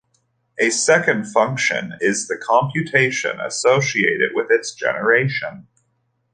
A second function is the computation associated with its generation.